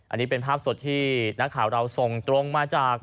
อันนี้เป็นภาพสดที่นักข่าวเราส่งตรงมาจาก